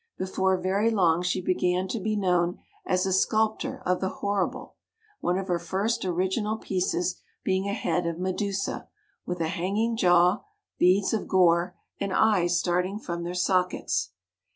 Before very long she began to be known as a sculptor of the horrible, one of her first original pieces being a head of Medusa, with a hang ing jaw, beads of gore, and eyes starting from their sockets.